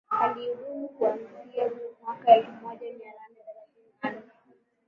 Alihudumu kuanziaa mwaka elfu moja mia nane thelathini na nne